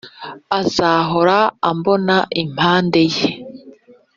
azahora ambona impande ye